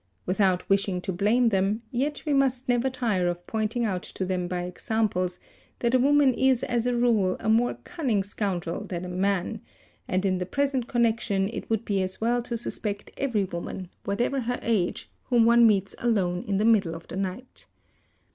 Without wishing to blame them, yet we must never tire of pointing | out to them by examples that a woman is as a rule a more cunning | scoundrel than a man, and in the present connection it would be as well | to suspect every woman, whatever her age, whom one meets alone in the middle of the night.